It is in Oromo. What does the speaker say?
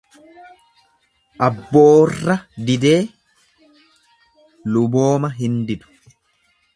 Abboorra didee lubooma hin didu.